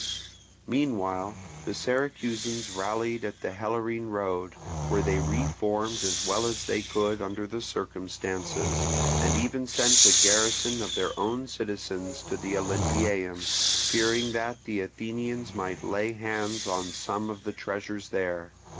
Meanwhile the Syracusans rallied at the Helorine road, where they re formed as well as they could under the circumstances, and even sent a garrison of their own citizens to the Olympieum, fearing that the Athenians might lay hands on some of the treasures there.